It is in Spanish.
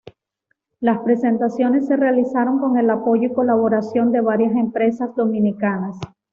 Las presentaciones se realizaron con el apoyo y colaboración de varias empresas dominicanas.